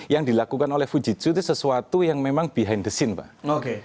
yang dilakukan oleh fujitsu itu sesuatu yang memang behind the scene pak